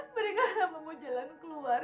berikan nama mu jalan keluar